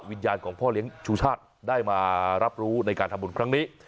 วิญญาณของพ่อเลี้ยงชูชาติได้มารับรู้ในการทำบุญครั้งนี้